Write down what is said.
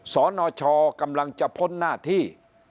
สนชกำลังจะพ้นหน้าที่